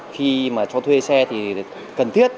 khi mà cho thuê xe thì cần thiết